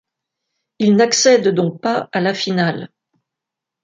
Il n’accède donc pas à la finale.